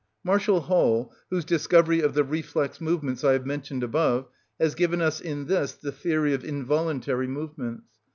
Marshall Hall, whose discovery of the reflex movements I have mentioned above, has given us in this the theory of involuntary movements.